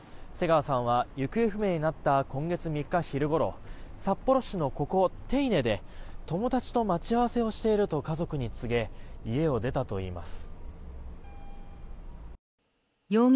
瀬川さんは行方不明になった今月３日昼ごろ、札幌市のここ手稲で友達と待ち合わせをしていると家族に告げ家を出たといいます。